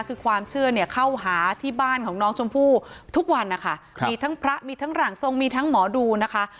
คือความเชื่อเนี่ยเข้าหาที่บ้านของน้องชมพู่ทุกวันนะคะมีทั้งพระมีทั้งหลังทรงมีทั้งหมอดูนะคะ